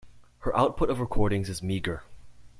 Her output of recordings is meager.